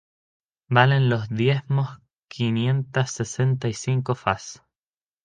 Valen los diezmos quinientas sesenta y cinco fas.